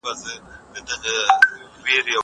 کېدای سي تکړښت سخت وي!!